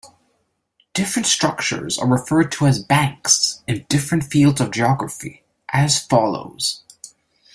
Different structures are referred to as "banks" in different fields of geography, as follows.